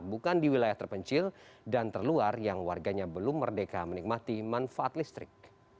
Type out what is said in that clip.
bukan di wilayah terpencil dan terluar yang warganya belum merdeka menikmati manfaat listrik